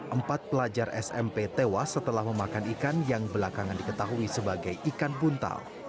empat pelajar smp tewas setelah memakan ikan yang belakangan diketahui sebagai ikan buntal